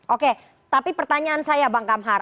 oke tapi pertanyaan saya bang kamhar